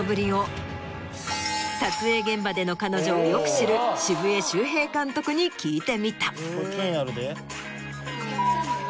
撮影現場での彼女をよく知る渋江修平監督に聞いてみた。